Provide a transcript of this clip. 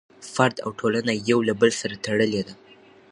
فرد او ټولنه یو له بل سره تړلي دي.